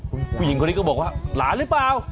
คุณผู้หญิงคนนี้ก็บอกว่าหลานหรือเปล่า